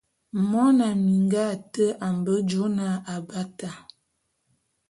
Mona minga ate a mbe jôé na Abata.